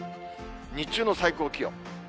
日中の最高気温。